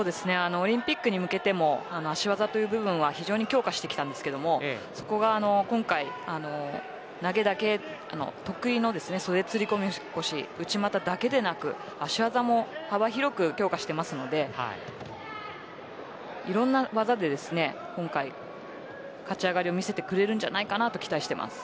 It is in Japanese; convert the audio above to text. オリンピックに向けても足技という部分は非常に強化していきましたがそこが今回得意の袖釣込腰、内股だけでなく足技も幅広く強化しているのでいろいろな技で今回、勝ち上がりを見せてくれるんじゃないかと期待しています。